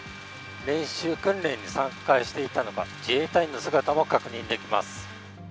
練習訓練に参加していた自衛隊員の姿も確認できます。